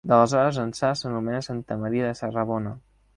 D'aleshores ençà s'anomena Santa Maria de Serrabona.